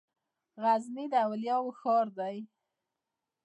غزنی د اولیاوو ښار دی.